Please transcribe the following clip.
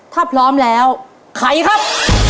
ถ้าพร้อมแล้วไขครับ